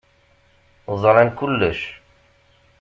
Ẓran kulec.